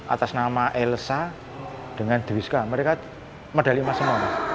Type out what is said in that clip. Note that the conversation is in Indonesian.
atas nama elsa dengan rizka mereka medali mas semua